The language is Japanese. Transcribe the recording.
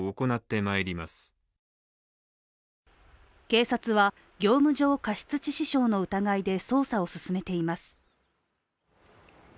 警察は、業務上過失致死傷の疑いで捜査を進めています。